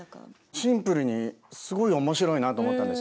シンプルにすごい面白いなと思ったんです。